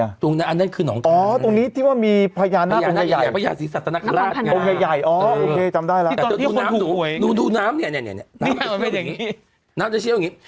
อันนี้คืออยู่อีกจักรนั่ง